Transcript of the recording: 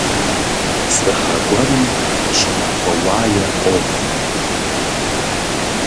Зы гъэ гуэрым щӀымахуэ уае къохъу.